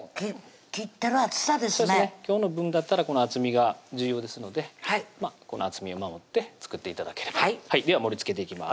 今日の分だったらこの厚みが重要ですのでこの厚みを守って作って頂ければはいでは盛りつけていきます